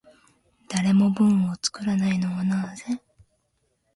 誰も文を作らないのはなぜ？